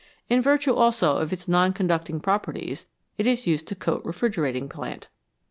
In virtue also of its non conducting pro perties, it is used to coat refrigerating plant.